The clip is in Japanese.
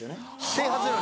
整髪料。